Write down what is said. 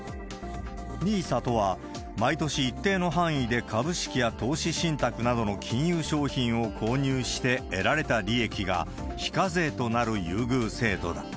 ＮＩＳＡとは、毎年一定の範囲で株式や投資信託などの金融商品を購入して得られた利益が、非課税となる優遇制度だ。